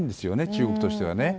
中国としては。